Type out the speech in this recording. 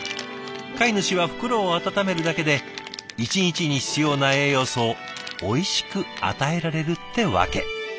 飼い主は袋を温めるだけで一日に必要な栄養素をおいしく与えられるってわけ。